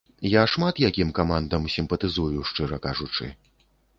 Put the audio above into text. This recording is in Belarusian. Я шмат якім камандам сімпатызую, шчыра кажучы.